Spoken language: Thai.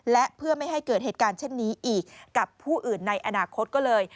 และเพื่อไม่ให้เกิดเหตุการณ์เช่นนี้อีกกับผู้อื่นในอนาคตก็เลย